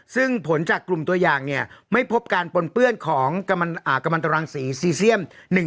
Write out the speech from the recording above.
ซึ่งผลจากกลุ่มตัวอย่างเนี่ยไม่พบการปนเปื้อนของกมันตรังศรีซีเซียม๑๓๗